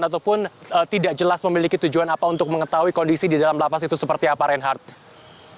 ataupun tidak jelas memiliki tujuan apa untuk mengetahui kondisi di dalam lapas itu seperti apa reinhardt